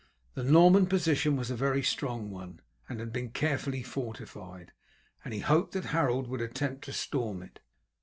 The Norman position was a very strong one, and had been carefully fortified, and he hoped that Harold would attempt to storm it.